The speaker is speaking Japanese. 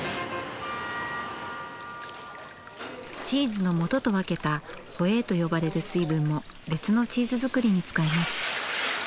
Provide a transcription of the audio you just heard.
チーズのもとと分けたホエーと呼ばれる水分も別のチーズ作りに使います。